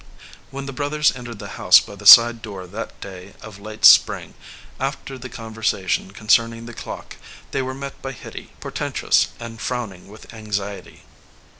When the brothers entered the house by the side door that day of late spring after the conversation concerning the clock, they were met by Hitty, por tentous and frowning with anxiety.